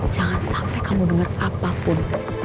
jangan sampai kamu denger apapun